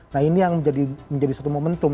nah ini yang menjadi satu momentum